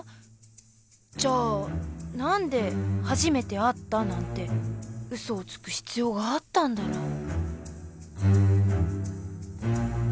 じゃあ何で初めて会ったなんてうそをつく必要があったんだろう。